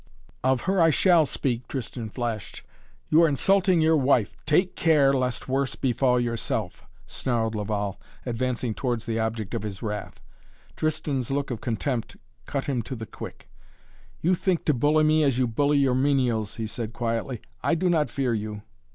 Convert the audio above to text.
"Of her I shall speak," Tristan flashed. "You are insulting your wife " "Take care lest worse befall yourself," snarled Laval, advancing towards the object of his wrath. Tristan's look of contempt cut him to the quick. "You think to bully me as you bully your menials," he said quietly. "I do not fear you!"